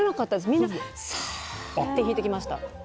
みんなさーって引いていきました。